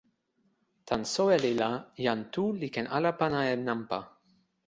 tan soweli la, jan Tu li ken ala pana e nanpa.